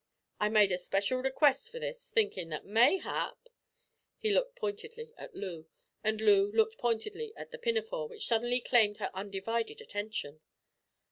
I made a special request for this, thinkin' that mayhap " He looked pointedly at Loo, and Loo looked pointedly at the pinafore which suddenly claimed her undivided attention.